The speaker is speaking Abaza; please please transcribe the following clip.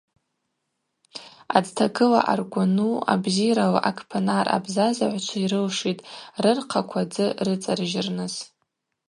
Адзтагыла ъаргвану абзирала Акпынар абзазагӏвчва йрылшитӏ рырхъаква дзы рыцӏаржьырныс.